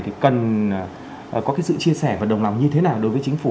thì cần có cái sự chia sẻ và đồng lòng như thế nào đối với chính phủ